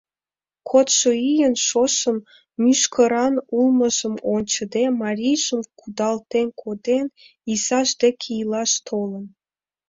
Кодшо ийын, шошым, мӱшкыран улмыжым ончыде, марийжым кудалтен коден, изаж деке илаш толын.